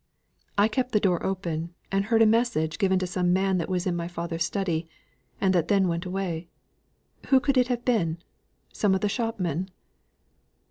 I kept the door open, and heard a message given to some man that was in my father's study, and that then went away. What could it have been? Some of the shopmen?"